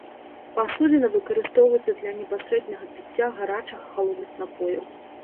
Пасудзіна выкарыстоўваецца для непасрэднага піцця гарачых і халодных напояў.